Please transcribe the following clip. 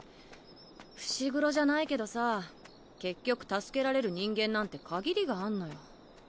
伏黒じゃないけどさ結局助けられる人間なんて限りがあんのよ。